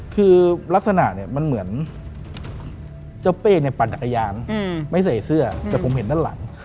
คือลักษณะเนี่ยมันเหมือนเจ้าเป้เนี่ยปั่นจักรยานไม่ใส่เสื้อแต่ผมเห็นด้านหลัง